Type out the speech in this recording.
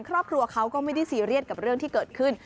ครอบครัวเขาก็ไม่ได้ซีเรียสกับเรื่องที่เกิดขึ้น